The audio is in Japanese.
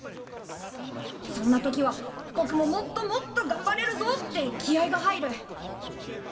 そんな時はぼくももっともっとがんばれるぞって気合いが入る！